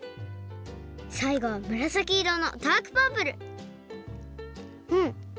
さいごはむらさき色のダークパープルうん！